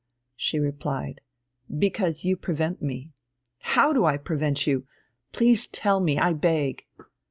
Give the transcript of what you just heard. She replied: "Because you prevent me." "How do I prevent you? Please tell me, I beg."